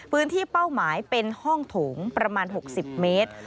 เป้าหมายเป็นห้องโถงประมาณ๖๐เมตร